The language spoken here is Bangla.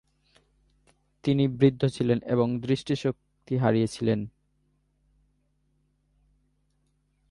তিনি বৃদ্ধ ছিলেন এবং দৃষ্টিশক্তি হারিয়েছিলেন।